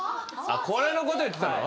これのこと言ってたの？